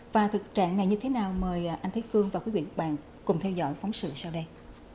và thực trạng này như thế nào mời anh thuy cương và quý vị cùng theo dõi phóng sự sau đây